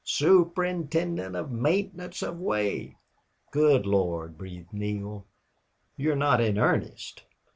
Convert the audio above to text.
Superintendent of maintenance of way!" "Good Lord!" breathed Neale. "You're not in earnest?"